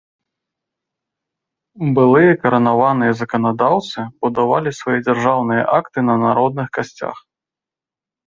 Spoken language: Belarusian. Былыя каранаваныя заканадаўцы будавалі свае дзяржаўныя акты на народных касцях.